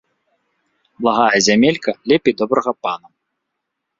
Благая зямелька лепей добрага пана